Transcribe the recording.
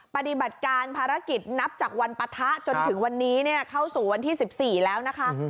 ปฏิบัติการภารกิจนับจากวันปะทะจนถึงวันนี้เข้าสู่วันที่๑๔แล้วนะคะ